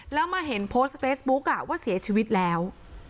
แล้วมาเห็นโพสต์เฟซบุ๊คว่าเสียชีวิตแล้ว